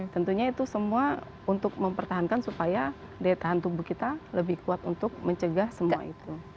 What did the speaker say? tentunya itu semua untuk mempertahankan supaya daya tahan tubuh kita lebih kuat untuk mencegah semua itu